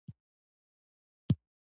د ولایت مېلمستون په دالان کې خبرې وې.